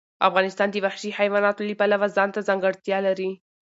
افغانستان د وحشي حیواناتو له پلوه ځانته ځانګړتیا لري.